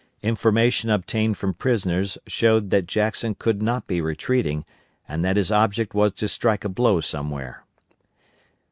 Information obtained from prisoners showed the Jackson could not be retreating, and that his object was to strike a blow somewhere.